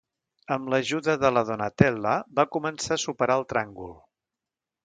Amb l'ajuda de la Donatella, va començar a superar el tràngol.